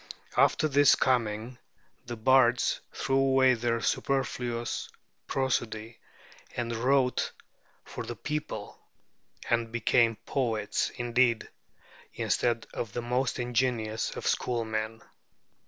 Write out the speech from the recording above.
After his coming the bards threw away their superfluous prosody and wrote for the people, and became poets indeed, instead of the most ingenious of schoolmen.